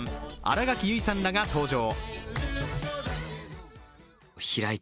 新垣結衣さんらが登場。